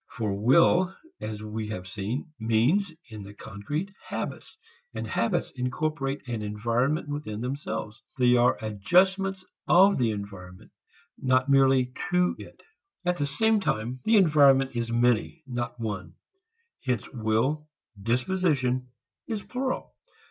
For will, as we have seen, means, in the concrete, habits; and habits incorporate an environment within themselves. They are adjustments of the environment, not merely to it. At the same time, the environment is many, not one; hence will, disposition, is plural.